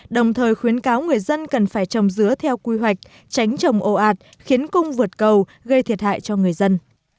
đồng thời khuyến cáo người dân cần phải trồng dứa theo quy hoạch tránh trồng ồ ạt khiến cung vượt cầu gây thiệt hại cho người dân